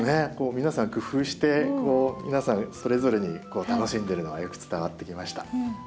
皆さん工夫して皆さんそれぞれに楽しんでるのがよく伝わってきました。